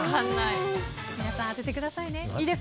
皆さん、当ててくださいね。